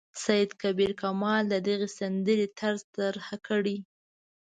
سید کبیر کمال د دغې سندرې طرز تشریح کړ.